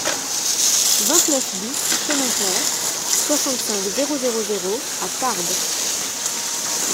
vingt-neuf BIS chemin Clair, soixante-cinq, zéro zéro zéro à Tarbes